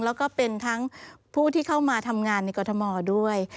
แล้วก็เป็นทั้งผู้ที่เข้ามาทำงานในกรทมด้วย